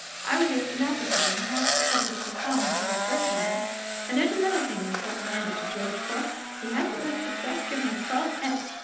I was a stenographer in the house that published his songs when I first met him. And there's another thing you've got to hand it to George for. He hasn't let success give him a swelled head.